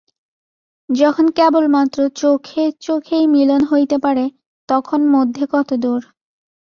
যখন কেবলমাত্র চোখে চোখেই মিলন হইতে পারে তখন মধ্যে কত দূর!